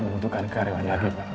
membutuhkan karyawan lagi pak